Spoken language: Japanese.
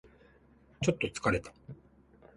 ちょっと疲れた